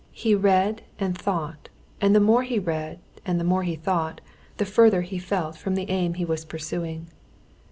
He read and thought, and the more he read and the more he thought, the further he felt from the aim he was pursuing.